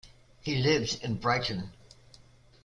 He lives in Brighton.